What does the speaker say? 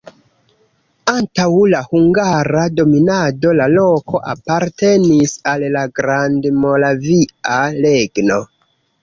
Antaŭ la hungara dominado la loko apartenis al la Grandmoravia Regno.